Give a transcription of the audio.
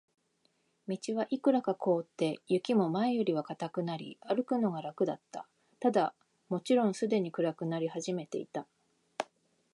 道はいくらか凍って、雪も前よりは固くなり、歩くのが楽だった。ただ、もちろんすでに暗くなり始めていた。